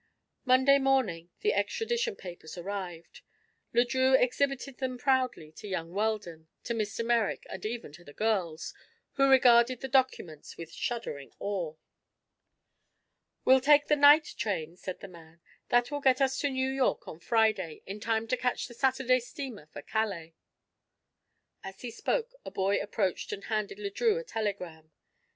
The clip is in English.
Monday morning the extradition papers arrived. Le Drieux exhibited them proudly to young Weldon, to Mr. Merrick, and even to the girls, who regarded the documents with shuddering awe. "We'll take the night train," said the man. "That will get us to New York on Friday, in time to catch the Saturday steamer for Calais." As he spoke a boy approached and handed Le Drieux a telegram.